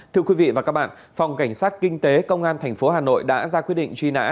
thưa quý vị và các bạn phòng cảnh sát kinh tế công an tp hà nội đã ra quyết định truy nã